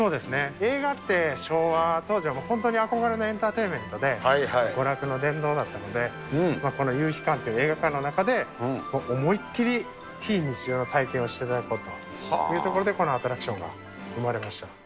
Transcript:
映画って、昭和当時はもう本当に憧れのエンターテイメントで娯楽の殿堂だったので、この夕陽館っていう映画館の中で、思いっ切り非日常な体験をしていただくこと、ということで、このアトラクションが生ま